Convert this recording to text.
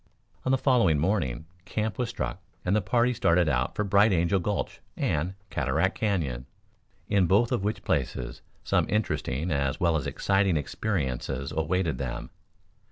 On the following morning camp was struck and the party started out for Bright Angel Gulch and Cataract Canyon, in both of which places some interesting as well as exciting experiences awaited them.